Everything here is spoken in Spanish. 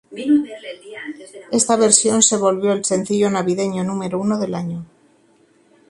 Esta versión se volvió el sencillo navideño número uno del año.